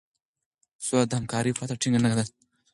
سوله د همکارۍ پرته ټينګه نه ده.